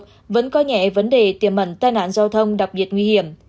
chúng có nhẹ vấn đề tiềm mẩn tai nạn giao thông đặc biệt nguy hiểm